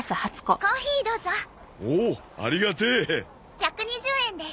１２０円です。